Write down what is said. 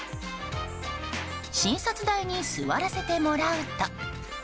診察台に座らせてもらうと。